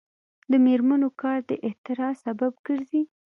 د میرمنو کار د اختراع سبب ګرځي.